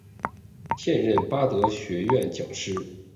现任巴德学院讲师。